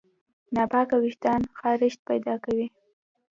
ناپاک وېښتيان خارښت پیدا کوي.